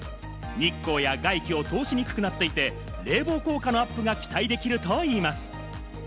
日光や外気を通しにくくなっていて、冷房効果のアップが期待できるといいます。